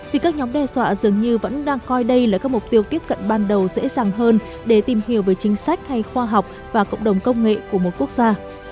vì các nhóm đe dọa dường như vẫn đang coi đây là các mục tiêu tiếp cận ban đầu dễ dàng hơn để tìm hiểu về chính sách hay khoa học và cộng đồng công nghệ của một quốc gia